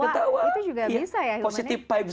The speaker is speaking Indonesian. ketawa itu juga bisa ya ilmunnya positive vibes